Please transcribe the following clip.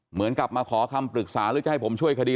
เหมือนกับมาขอคำปรึกษาหรือจะให้ผมช่วยคดี